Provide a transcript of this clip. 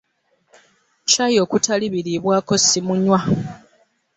Caayi okutali biriibwako ssimunywa.